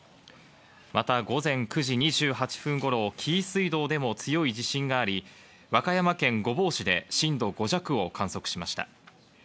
また午前９時２８分頃、紀伊水道でも強い地震があり、和歌山県御坊市で震度５弱を観測しました。